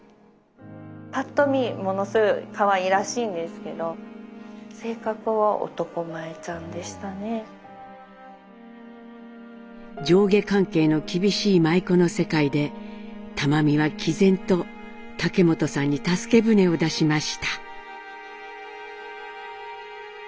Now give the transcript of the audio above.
パッと見ものすごいかわいらしいんですけど上下関係の厳しい舞妓の世界で玉美はきぜんと竹本さんに助け船を出しました。